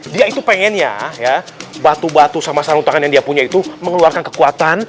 dia itu pengennya ya batu batu sama sarung tangan yang dia punya itu mengeluarkan kekuatan